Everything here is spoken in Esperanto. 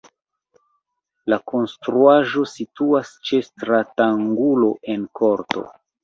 La konstruaĵo situas ĉe stratangulo en korto.